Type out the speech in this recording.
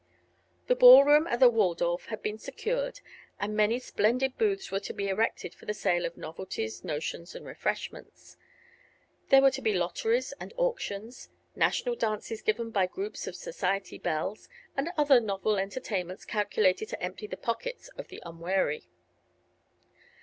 The ball room at the Waldorf had been secured and many splendid booths were to be erected for the sale of novelties, notions and refreshments. There were to be lotteries and auctions, national dances given by groups of society belles, and other novel entertainments calculated to empty the pockets of the unwary.